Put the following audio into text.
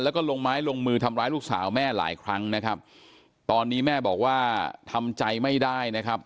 แล้วก็ลงไม้ลงมือทำร้ายลูกสาวแม่หลายครั้งนะครับตอนนี้แม่บอกว่าทำใจไม่ได้นะครับ